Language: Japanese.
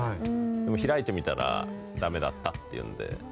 でも開いてみたらダメだったっていうので。